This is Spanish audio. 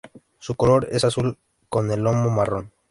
Su color es azul con el lomo marrón.